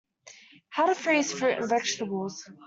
How to freeze fruit and vegetables.